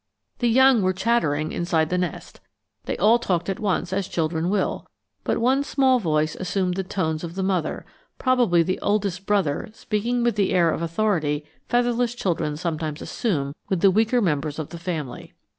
The young were chattering inside the nest. They all talked at once as children will, but one small voice assumed the tones of the mother; probably the oldest brother speaking with the air of authority featherless children sometimes assume with the weaker members of the family.